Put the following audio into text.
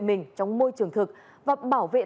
mình trong môi trường thực và bảo vệ